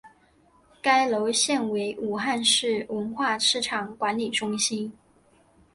该楼现为武汉市文化市场管理中心。